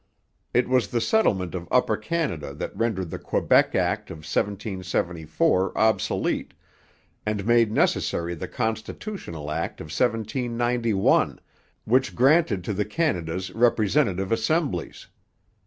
It was the settlement of Upper Canada that rendered the Quebec Act of 1774 obsolete, and made necessary the Constitutional Act of 1791, which granted to the Canadas representative assemblies.